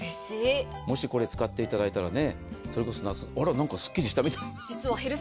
もし、これ使っていただいたらそれこそ何かすっきりしたみたいな。